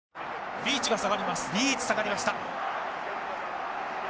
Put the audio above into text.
リーチ下がりました。